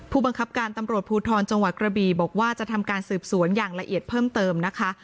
ผู้บังคับการตำรวจภูทรจังหวัดกระบีบอกว่าจะทำการสืบสวนอย่างละเอียดเพิ่มเติมนะคะ